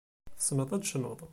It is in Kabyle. Tessneḍ ad tecnuḍ.